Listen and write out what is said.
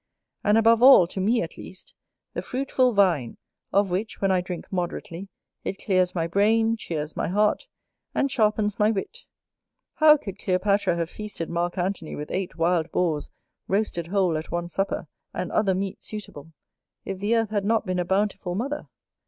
and above all, to me at least, the fruitful vine, of which when I drink moderately, it clears my brain, cheers my heart, and sharpens my wit. How could Cleopatra have feasted Mark Antony with eight wild Boars roasted whole at one supper, and other meat suitable, if the earth had not been a bountiful mother?